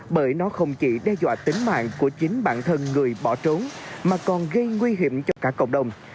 bởi nó không chỉ đe dọa tính mạng của chính bản thân người bỏ trốn mà còn gây nguy hiểm cho cả cộng đồng